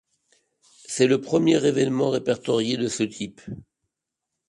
C'est le premier événement répertorié de ce type.